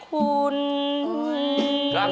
จิงแม่คุณ